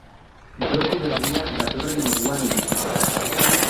Joko berria datorren neguan iritsiko da.